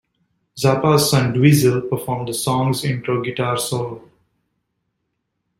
Zappa's son, Dweezil performed the song's intro guitar solo.